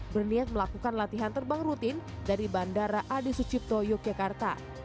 berniat melakukan latihan terbang rutin dari bandara adi sucipto yogyakarta